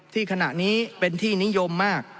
ขณะนี้เป็นที่นิยมมาก